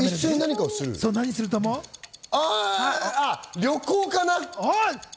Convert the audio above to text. あ、旅行かな？